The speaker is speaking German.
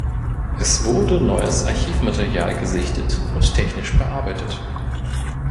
Es wurde neues Archivmaterial gesichtet und technisch bearbeitet.